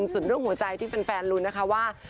ส่วนด้วยหัวใจที่เป็นแฟนรุนนะคะว่า